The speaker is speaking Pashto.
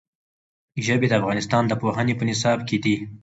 ژبې د افغانستان د پوهنې په نصاب کې دي.